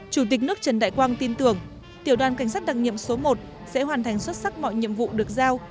chủ tịch nước trần đại quang tin tưởng tiểu đoàn cảnh sát đặc nghiệm số một sẽ hoàn thành xuất sắc mọi nhiệm vụ được giao